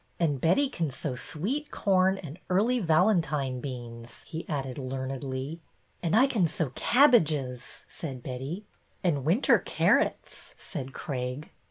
" And Betty can sow sweet corn and Early Valentine beans," he added learnedly. " And I can sow cabbages," said Betty. " And winter carrots," said Craig.